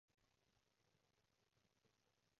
唔同諗法咪唔出聲